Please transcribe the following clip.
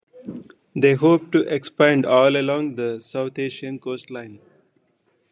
They hope to expand all along the South Asian coastline.